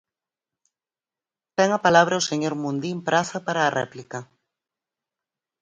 Ten a palabra o señor Mundín Praza para a réplica.